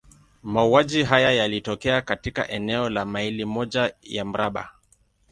Mauaji haya yalitokea katika eneo la maili moja ya mraba.